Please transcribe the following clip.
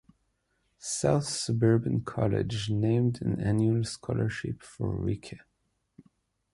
South Suburban College named an annual scholarship for Rieke.